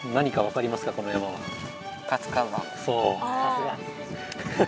さすが！